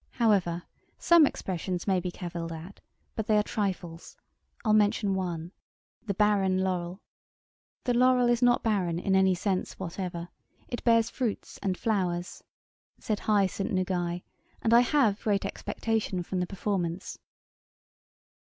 However, some expressions may be cavilled at, but they are trifles. I'll mention one. The barren Laurel. The laurel is not barren, in any sense whatever; it bears fruits and flowers. Sed hae sunt nugae, and I have great expectation from the performance.'